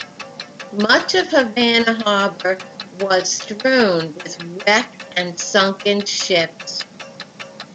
Much of Havana harbor was strewn with wrecked and sunken ships.